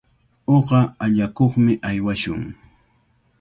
Uqa allakuqmi aywashun.